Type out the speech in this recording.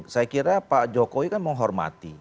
saya kira pak jokowi kan menghormati